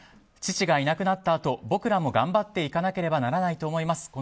父がいなくなったあと僕らも頑張っていかなければならないと思います。